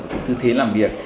đến tư thế làm việc